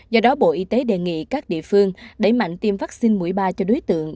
do đó bộ y tế đề nghị các địa phương đẩy mạnh tiêm vaccine mũi ba cho đối tượng